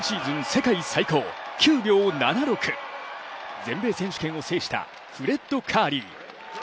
世界最高９秒７６、全米選手権を制したフレッド・カーリー。